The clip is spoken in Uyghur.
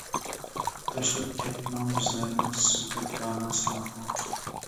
تاشلاپ كەتمەڭ بىزلەرنى، سىزدەك دانا ساناقلىق.